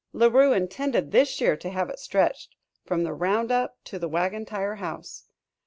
La Rue intended this year to have it stretched from the Roundup to the Wagon Tire House.